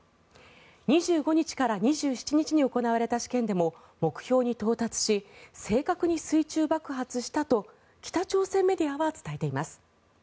２５日から２７日に行われた試験でも、目標に到達し正確に水中爆発したと北朝鮮メディアは伝えています。